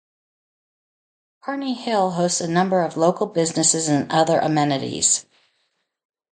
Cairneyhill hosts a number of local businesses and other amenities.